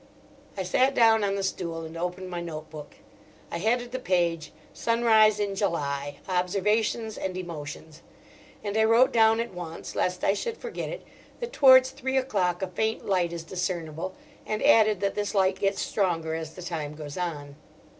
I sat down on the stool and opened my note book. I headed the page: "Sunrise in July: observations and emotions," and I wrote down at once, lest I should forget it, that towards three o'clock a faint light is discernible, and added that this light gets stronger as the time goes on.